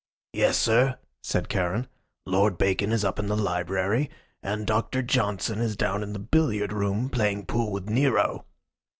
"Yes, sir," said Charon. "Lord Bacon is up in the library, and Doctor Johnson is down in the billiard room, playing pool with Nero."